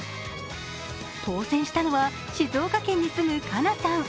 当選したのは、静岡県に住む香奈さん。